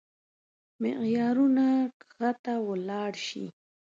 معيارونه کښته ولاړ شي.